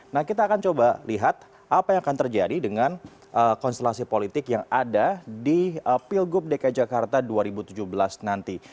nah kita akan coba lihat apa yang akan terjadi dengan konstelasi politik yang ada di pilgub dki jakarta dua ribu tujuh belas nanti